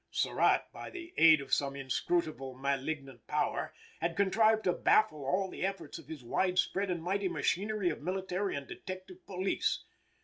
Surratt, by the aid of some inscrutable, malignant power, had contrived to baffle all the efforts of his widespread and mighty machinery of military and detective police.